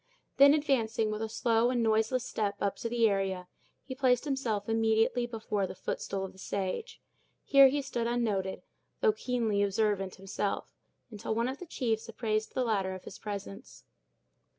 Then, advancing with a slow and noiseless step up the area, he placed himself immediately before the footstool of the sage. Here he stood unnoted, though keenly observant himself, until one of the chiefs apprised the latter of his presence.